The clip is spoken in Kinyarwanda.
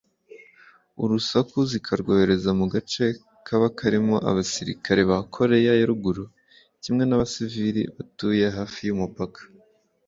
urusaku zikarwohereza mu gace kaba karimo abasirikare ba Korea ya Ruguru kimwe n’abasivili batuye hafi y’umupaka